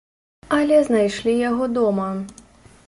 Але знайшлі яго дома.